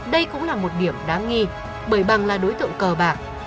đây cũng là một điểm đáng nghi bởi bằng là đối tượng cờ bạc